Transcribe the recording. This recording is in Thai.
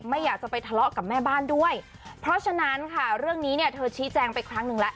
ไม่อยากจะไปทะเลาะกับแม่บ้านด้วยเพราะฉะนั้นค่ะเรื่องนี้เนี่ยเธอชี้แจงไปครั้งหนึ่งแล้ว